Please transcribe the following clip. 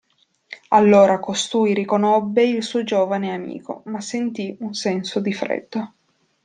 Allora costui riconobbe il suo giovane amico, ma sentì un senso di freddo.